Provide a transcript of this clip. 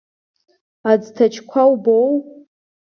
Аӡҭачқәа убоу?